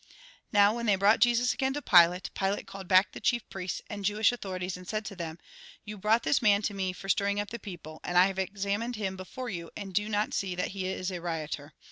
Now, when they brought Jesus again to Pilate, Pilate called back the chief priests and Jewish authorities, and said to them :" You brought this man to me for stirring up the people, and I have examined him before you, and do not see that he is a lioter.